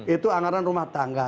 itu anggaran rumah tangga